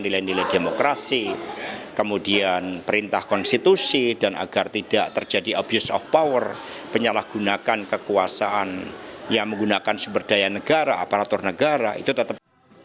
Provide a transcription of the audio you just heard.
nilai nilai demokrasi kemudian perintah konstitusi dan agar tidak terjadi abuse of power penyalahgunakan kekuasaan yang menggunakan sumber daya negara aparatur negara itu tetap